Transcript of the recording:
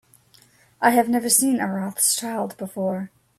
I have never seen a Rothschild before.